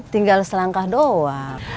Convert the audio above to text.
tinggal selangkah doang